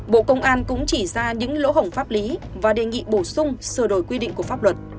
bộ công an cũng chỉ ra những lỗ hổng pháp lý và đề nghị bổ sung sửa đổi quy định của pháp luật